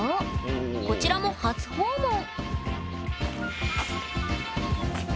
こちらも初訪問！